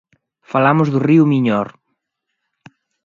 Falamos do río Miñor.